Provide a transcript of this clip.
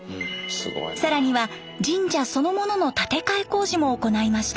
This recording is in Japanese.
更には神社そのものの建て替え工事も行いました。